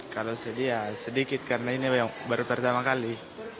kalau sedih ya sedikit karena ini baru pertama kali